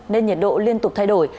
nên nhiệt độ liên tục thay đổi